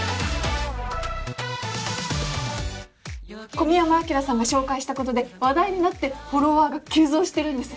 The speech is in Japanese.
小宮山アキラさんが紹介したことで話題になってフォロワーが急増してるんです。